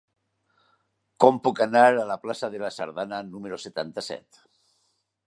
Com puc anar a la plaça de la Sardana número setanta-set?